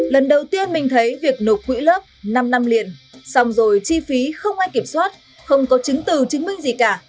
lần đầu tiên mình thấy việc nộp quỹ lớp năm năm liền xong rồi chi phí không ai kiểm soát không có chứng từ chứng minh gì cả